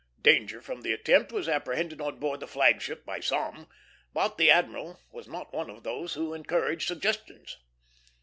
Danger from the attempt was apprehended on board the flag ship by some, but the admiral was not one of those who encourage suggestions.